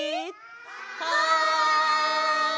はい！